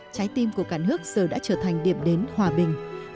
trái tim của cả nước giờ đã trở thành điểm đến hòa bình